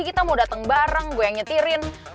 kita mau datang bareng gue yang nyetirin